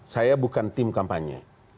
saya bukan tim kampanye